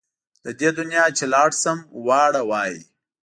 له دې دنیا چې لاړ شم واړه وايي.